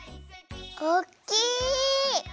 おっきい！